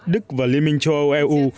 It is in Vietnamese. đức và liên minh châu âu eu